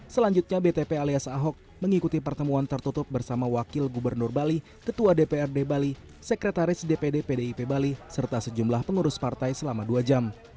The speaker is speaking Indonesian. selanjutnya btp alias ahok mengikuti pertemuan tertutup bersama wakil gubernur bali ketua dprd bali sekretaris dpd pdip bali serta sejumlah pengurus partai selama dua jam